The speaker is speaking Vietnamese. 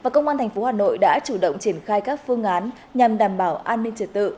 công an thành phố hà nội đã chủ động triển khai các phương án nhằm đảm bảo an ninh trở tự